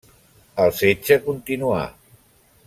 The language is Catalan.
El setge continuà.